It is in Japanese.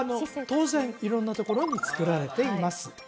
当然色んなところにつくられています